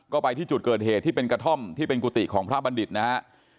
ก็ไปที่จุดเกิดเหตุที่เป็นกระท่อมที่เป็นกุฏิของพระบัณฑิตนะฮะ